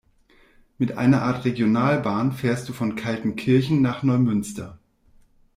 Mit einer Art Regionalbahn fährst du von Kaltenkirchen nach Neumünster.